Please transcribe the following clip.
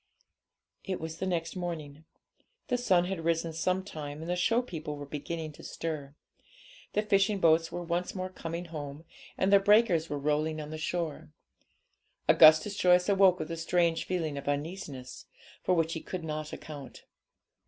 It was the next morning. The sun had risen some time, and the show people were beginning to stir; the fishing boats were once more coming home, and the breakers were rolling on the shore. Augustus Joyce awoke with a strange feeling of uneasiness, for which he could not account.